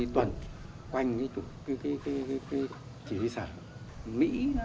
tuần quanh cái chỉ huy xã mỹ